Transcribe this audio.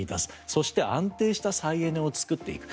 そして安定した再エネを作っていく。